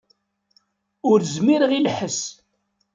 Ur zmireɣ i lḥess.